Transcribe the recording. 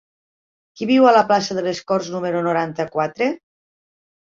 Qui viu a la plaça de les Corts número noranta-quatre?